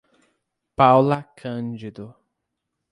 Paula Cândido